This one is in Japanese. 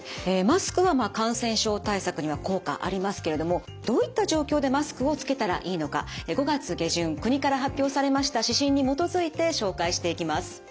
マスクは感染症対策には効果ありますけれどもどういった状況でマスクをつけたらいいのか５月下旬国から発表されました指針に基づいて紹介していきます。